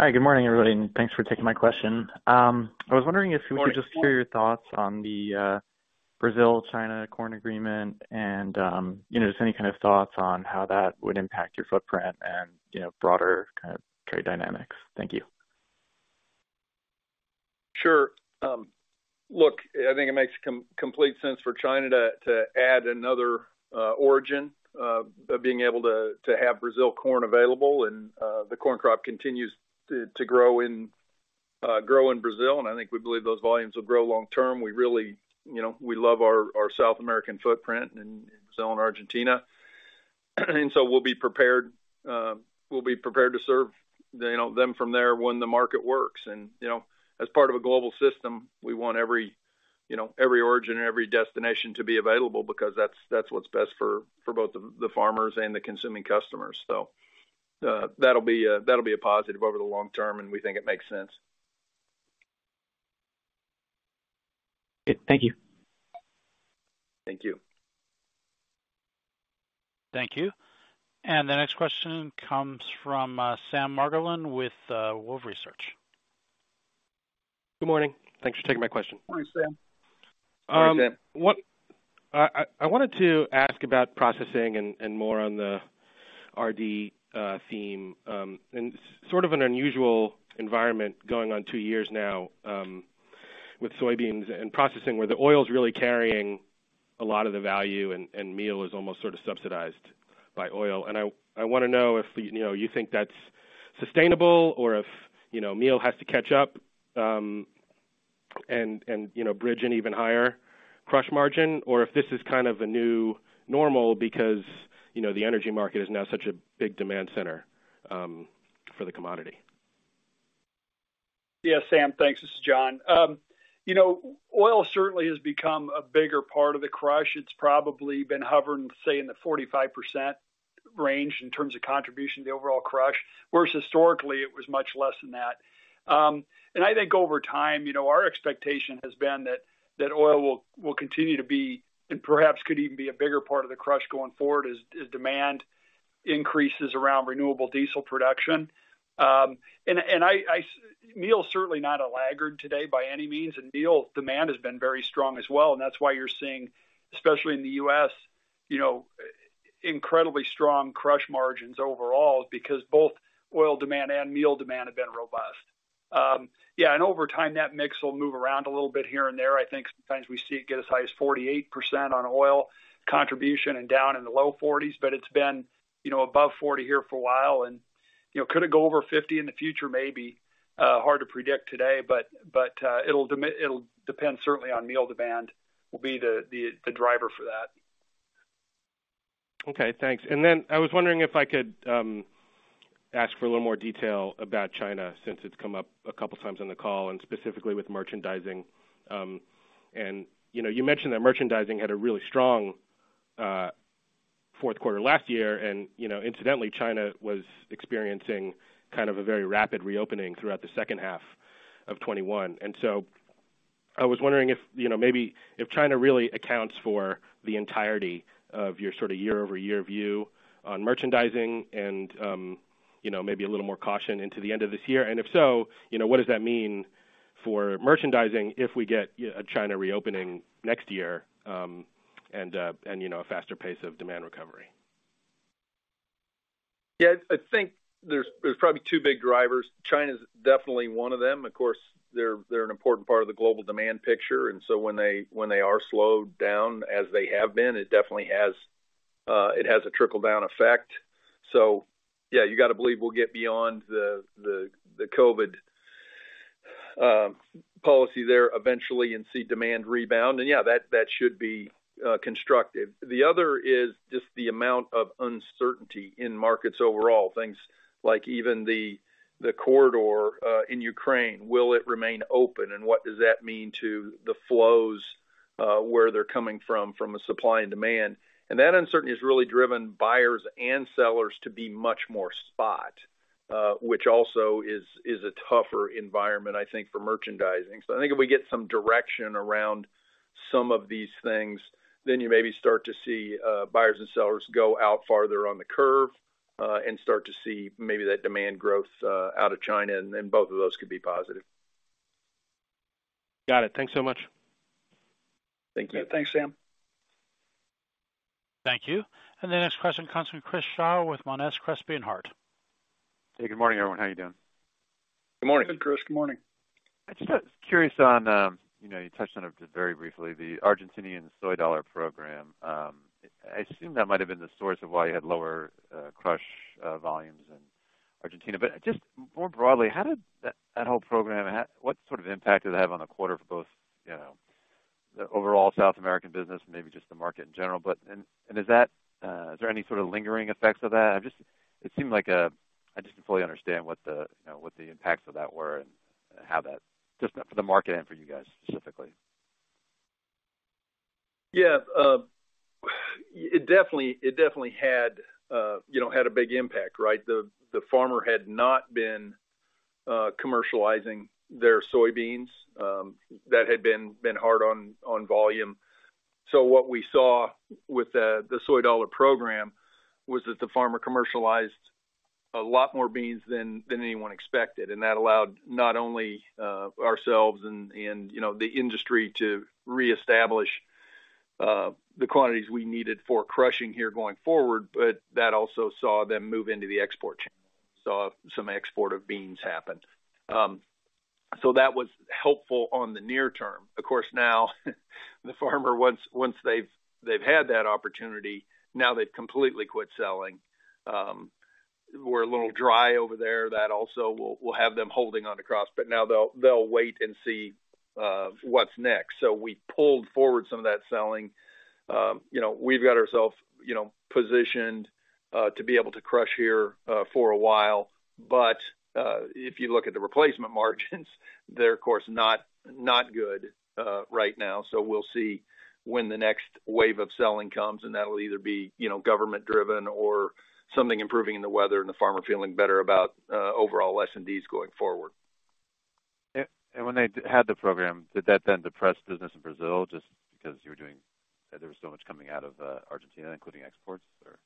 Hi. Good morning, everybody, and thanks for taking my question. I was wondering if we could just hear your thoughts on the Brazil-China corn agreement and, you know, just any kind of thoughts on how that would impact your footprint and, you know, broader kind of trade dynamics. Thank you. Sure. Look, I think it makes complete sense for China to add another origin of being able to have Brazil corn available. The corn crop continues to grow in Brazil, and I think we believe those volumes will grow long term. We really, you know, we love our South American footprint in Brazil and Argentina. We'll be prepared to serve, you know, them from there when the market works. You know, as part of a global system, we want every origin and every destination to be available because that's what's best for both the farmers and the consuming customers. That'll be a positive over the long term, and we think it makes sense. Thank you. Thank you. Thank you. The next question comes from Sam Margolin with Wolfe Research. Good morning. Thanks for taking my question. Morning, Sam. Morning, Sam. I wanted to ask about processing and more on the RD theme and sort of an unusual environment going on two years now with soybeans and processing, where the oil's really carrying a lot of the value and meal is almost sort of subsidized by oil. I wanna know if, you know, you think that's sustainable or if, you know, meal has to catch up and, you know, bridge an even higher crush margin, or if this is kind of a new normal because, you know, the energy market is now such a big demand center for the commodity. Yeah, Sam. Thanks. This is John. You know, oil certainly has become a bigger part of the crush. It's probably been hovering, say, in the 45% range in terms of contribution to the overall crush, whereas historically, it was much less than that. I think over time, you know, our expectation has been that oil will continue to be, and perhaps could even be a bigger part of the crush going forward as demand increases around renewable diesel production. Meal's certainly not a laggard today by any means, and meal demand has been very strong as well. That's why you're seeing, especially in the U.S., you know, incredibly strong crush margins overall because both oil demand and meal demand have been robust. Yeah, over time, that mix will move around a little bit here and there. I think sometimes we see it get as high as 48% on oil contribution and down in the low 40s, but it's been, you know, above 40 here for a while. You know, could it go over 50 in the future? Maybe. Hard to predict today, but it'll depend certainly on meal demand will be the driver for that. Okay, thanks. Then I was wondering if I could ask for a little more detail about China since it's come up a couple times on the call and specifically with merchandising. You know, you mentioned that merchandising had a really strong fourth quarter last year. You know, incidentally, China was experiencing kind of a very rapid reopening throughout the second half of 2021. I was wondering if, you know, maybe if China really accounts for the entirety of your sort of year-over-year view on merchandising and, you know, maybe a little more caution into the end of this year. If so, you know, what does that mean for merchandising if we get a China reopening next year, and, you know, a faster pace of demand recovery? Yeah. I think there's probably two big drivers. China's definitely one of them. Of course, they're an important part of the global demand picture, and so when they are slowed down as they have been, it definitely has a trickle-down effect. Yeah, you got to believe we'll get beyond the COVID policy there eventually and see demand rebound. Yeah, that should be constructive. The other is just the amount of uncertainty in markets overall. Things like even the corridor in Ukraine, will it remain open? What does that mean to the flows, where they're coming from a supply and demand? That uncertainty has really driven buyers and sellers to be much more spot, which also is a tougher environment, I think, for merchandising. I think if we get some direction around some of these things, then you maybe start to see, buyers and sellers go out farther on the curve, and start to see maybe that demand growth, out of China, and then both of those could be positive. Got it. Thanks so much. Thank you. Yeah. Thanks, Sam. Thank you. The next question comes from Chris Shaw with Monness, Crespi, Hardt & Co. Hey, good morning, everyone. How are you doing? Good morning. Good, Chris. Good morning. I'm just curious on, you know, you touched on it just very briefly, the Argentine soy dollar program. I assume that might have been the source of why you had lower crush volumes in Argentina. But just more broadly, how did that whole program, what sort of impact did it have on the quarter for both, you know, the overall South American business, maybe just the market in general? And is there any sort of lingering effects of that? It seemed like I just didn't fully understand what the, you know, what the impacts of that were, and how that just for the market and for you guys specifically. Yeah. It definitely had a big impact, right? The farmer had not been commercializing their soybeans. That had been hard on volume. What we saw with the soy dollar program was that the farmer commercialized a lot more beans than anyone expected. That allowed not only ourselves and the industry to reestablish the quantities we needed for crushing here going forward, but that also saw them move into the export chain. Saw some export of beans happen. That was helpful on the near term. Of course, now the farmer, once they've had that opportunity, now they've completely quit selling. We're a little dry over there. That also will have them holding onto crops. Now they'll wait and see what's next. We pulled forward some of that selling. You know, we've got ourselves, you know, positioned to be able to crush here for a while. If you look at the replacement margins, they're, of course, not good right now. We'll see when the next wave of selling comes, and that'll either be, you know, government-driven or something improving in the weather and the farmer feeling better about overall S&Ds going forward. When they had the program, did that then depress business in Brazil just because that there was so much coming out of Argentina, including exports, or?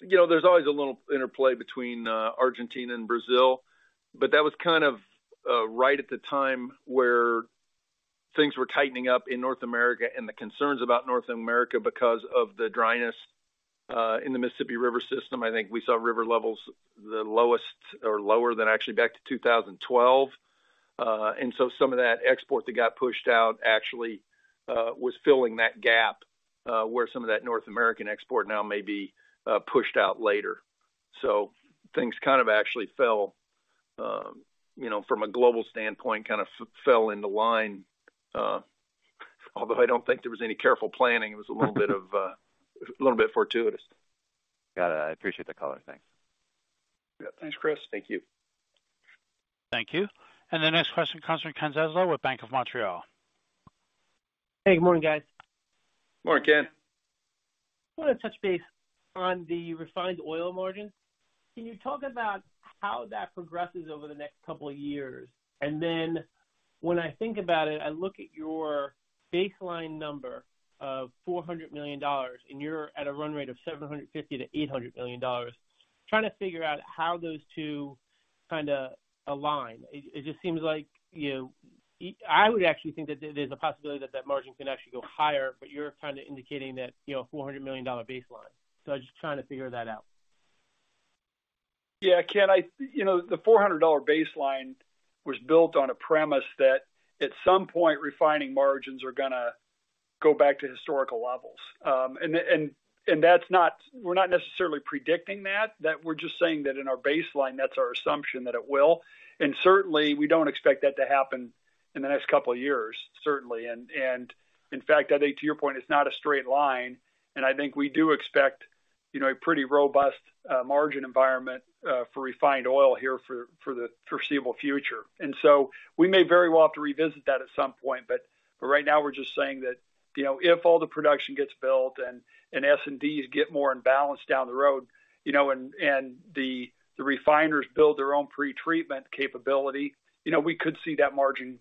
You know, there's always a little interplay between Argentina and Brazil, but that was kind of right at the time where things were tightening up in North America and the concerns about North America because of the dryness in the Mississippi River system. I think we saw river levels the lowest or lower than actually back to 2012. Some of that export that got pushed out actually was filling that gap where some of that North American export now may be pushed out later. Things kind of actually fell, you know, from a global standpoint, kind of fell into line. Although I don't think there was any careful planning. It was a little bit fortuitous. Got it. I appreciate the color. Thanks. Yeah. Thanks, Chris. Thank you. Thank you. The next question comes from Ken Zaslow with Bank of Montreal. Hey, good morning, guys. Morning, Ken. I wanna touch base on the refined oil margin. Can you talk about how that progresses over the next couple of years? Then when I think about it, I look at your baseline number of $400 million, and you're at a run rate of $750 million-$800 million. Trying to figure out how those two kinda align. It just seems like you I would actually think that there's a possibility that that margin can actually go higher, but you're kind of indicating that, you know, $400 million baseline. I was just trying to figure that out. Yeah. Ken, you know, the $400 baseline was built on a premise that at some point, refining margins are gonna go back to historical levels. And that's not. We're not necessarily predicting that we're just saying that in our baseline, that's our assumption that it will. Certainly, we don't expect that to happen in the next couple of years, certainly. In fact, I think to your point, it's not a straight line, and I think we do expect, you know, a pretty robust margin environment for refined oil here for the foreseeable future. We may very well have to revisit that at some point, but right now we're just saying that, you know, if all the production gets built and S&Ds get more in balance down the road, you know, and the refiners build their own pretreatment capability, you know, we could see that margin,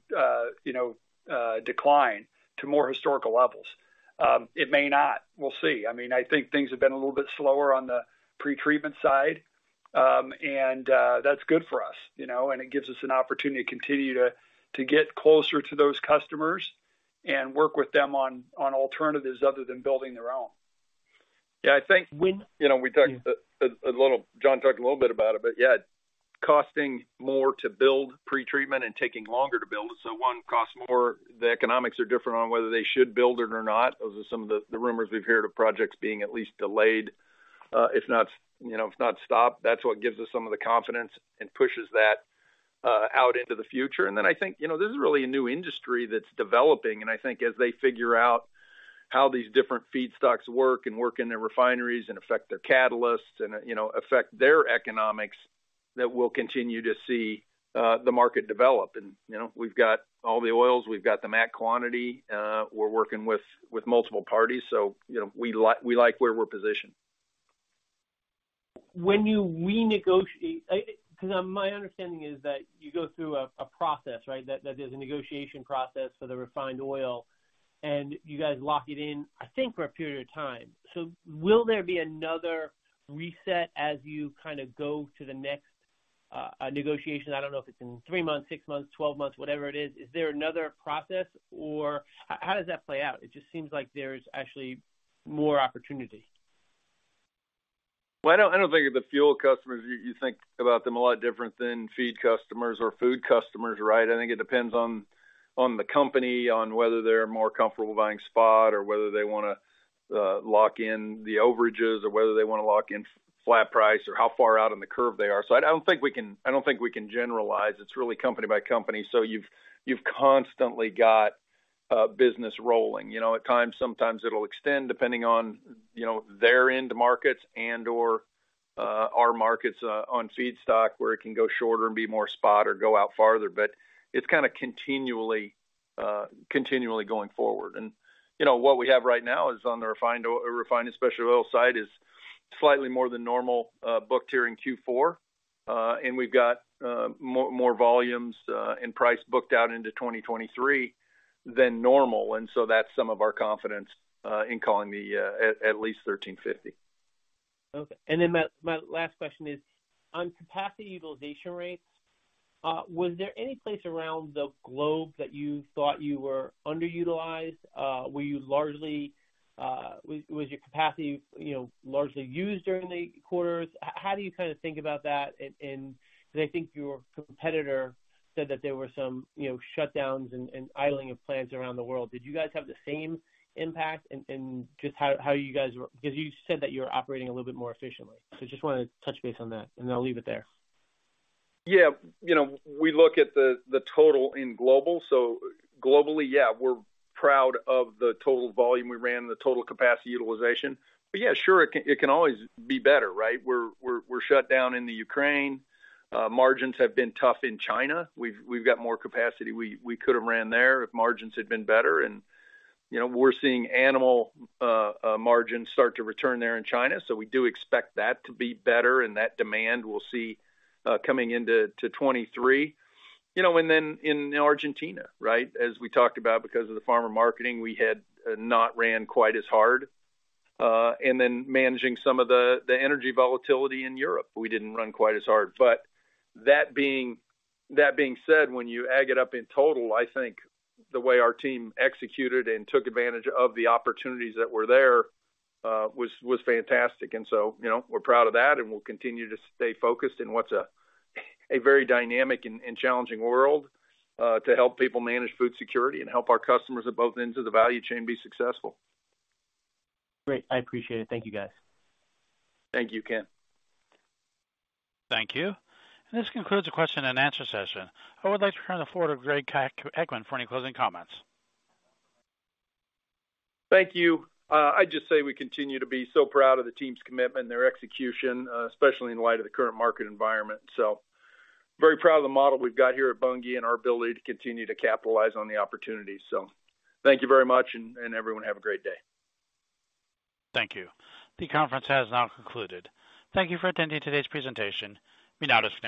you know, decline to more historical levels. It may not. We'll see. I mean, I think things have been a little bit slower on the pretreatment side. That's good for us, you know, and it gives us an opportunity to continue to get closer to those customers and work with them on alternatives other than building their own. Yeah, I think, you know, we talked a little. John talked a little bit about it, but yeah, costing more to build pretreatment and taking longer to build it. Costs more, the economics are different on whether they should build it or not. Those are some of the rumors we've heard of projects being at least delayed, if not, you know, if not stopped. That's what gives us some of the confidence and pushes that out into the future. Then I think, you know, this is really a new industry that's developing. I think as they figure out how these different feedstocks work and work in their refineries and affect their catalysts and, you know, affect their economics, that we'll continue to see the market develop. You know, we've got all the oils, we've got the match quantity, we're working with multiple parties. You know, we like where we're positioned. When you renegotiate, 'cause my understanding is that you go through a process, right? That there's a negotiation process for the refined oil, and you guys lock it in, I think, for a period of time. Will there be another reset as you kind of go to the next negotiation? I don't know if it's in three months, six months, 12 months, whatever it is. Is there another process or how does that play out? It just seems like there is actually more opportunity. Well, I don't think of the fuel customers you think about them a lot different than feed customers or food customers, right? I think it depends on the company, on whether they're more comfortable buying spot or whether they wanna lock in the overages or whether they wanna lock in flat price or how far out on the curve they are. I don't think we can generalize. It's really company by company. You've constantly got business rolling. You know, at times sometimes it'll extend depending on, you know, their end markets and/or our markets, on feedstock where it can go shorter and be more spot or go out farther. It's kinda continually going forward. You know, what we have right now is on the refined and specialty oil side is slightly more than normal booked there in Q4. We've got more volumes and price booked out into 2023 than normal. That's some of our confidence in calling it at least $13.50. My last question is, on capacity utilization rates, was there any place around the globe that you thought you were underutilized? Was your capacity, you know, largely used during the quarters? How do you kinda think about that? 'Cause I think your competitor said that there were some, you know, shutdowns and idling of plants around the world. Did you guys have the same impact? And just how you guys were, 'cause you said that you were operating a little bit more efficiently. Just wanted to touch base on that, and then I'll leave it there. Yeah. You know, we look at the total globally. So globally, yeah, we're proud of the total volume we ran, the total capacity utilization. But yeah, sure, it can always be better, right? We're shut down in Ukraine. Margins have been tough in China. We've got more capacity we could have ran there if margins had been better. You know, we're seeing animal margins start to return there in China, so we do expect that to be better and that demand we'll see coming into 2023. You know, then in Argentina, right? As we talked about because of the farmer marketing, we had not ran quite as hard. Then managing some of the energy volatility in Europe, we didn't run quite as hard. That being said, when you add it up in total, I think the way our team executed and took advantage of the opportunities that were there was fantastic. You know, we're proud of that, and we'll continue to stay focused in what's a very dynamic and challenging world to help people manage food security and help our customers at both ends of the value chain be successful. Great. I appreciate it. Thank you, guys. Thank you, Ken. Thank you. This concludes the question and answer session. I would like to turn the floor to Greg Heckman for any closing comments. Thank you. I'd just say we continue to be so proud of the team's commitment and their execution, especially in light of the current market environment. Very proud of the model we've got here at Bunge and our ability to continue to capitalize on the opportunities. Thank you very much, and everyone, have a great day. Thank you. The conference has now concluded. Thank you for attending today's presentation. You may now disconnect.